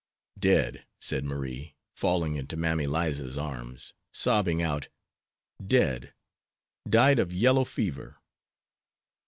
"Dead," said Marie, falling into Mammy Liza's arms, sobbing out, "dead! _ died_ of yellow fever."